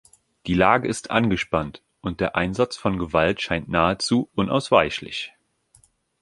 Die Lage ist angespannt, und der Einsatz von Gewalt scheint nahezu unausweichlich.